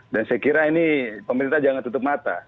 dan saya kira ini pemerintah jangan tutup mata